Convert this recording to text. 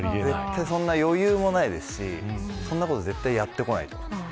そんなに余裕もないですしそんなこと絶対やってこないと思います。